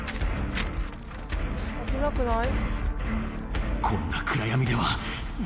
「危なくない？」